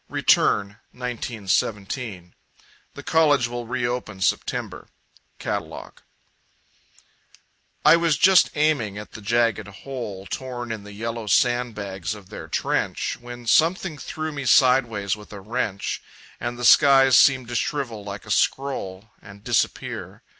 4. Return 1917 "The College will reopen Sept. ." `Catalogue'. I was just aiming at the jagged hole Torn in the yellow sandbags of their trench, When something threw me sideways with a wrench, And the skies seemed to shrivel like a scroll And disappear...